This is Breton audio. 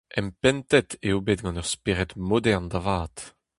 Empentet eo bet gant ur spered modern da vat.